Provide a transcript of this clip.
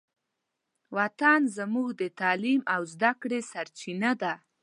وطن زموږ د تعلیم او زدهکړې سرچینه ده.